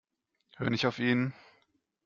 Hör nicht auf ihn.